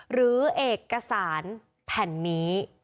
หรือเอกสารแผ่นนี้